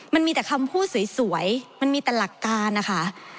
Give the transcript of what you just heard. มันมีแต่คำพูดสวยมันมีแต่หลักการนะคะ